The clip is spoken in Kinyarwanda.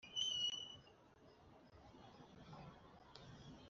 Iyo urwego rushinzwe kwandika imiryango